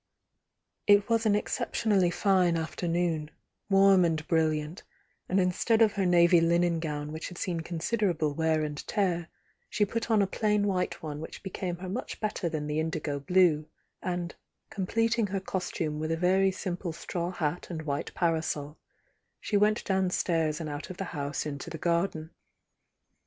It was an exceptionally fine afternoon, warm and brilliant, and instead of her navy linen gown which had seen considerable wear and tear, she put on a plain white one which became her much better than the indigo blue, and, completing her costume with a very simple straw hat and white parasol, she went downstairs and out of the house into the garden.